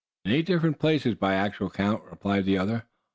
"In eight different places by actual count," replied the other.